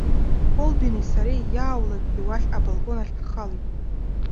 Колбини сареи иааулакгьы уахь абалкон ахь ҳхалеит.